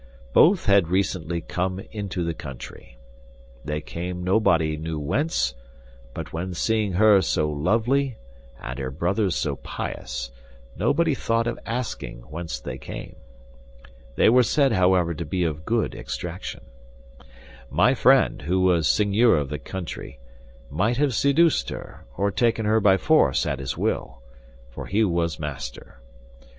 Both had recently come into the country. They came nobody knew whence; but when seeing her so lovely and her brother so pious, nobody thought of asking whence they came. They were said, however, to be of good extraction. My friend, who was seigneur of the country, might have seduced her, or taken her by force, at his will—for he was master.